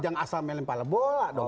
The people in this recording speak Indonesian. jangan asal melempar bola dong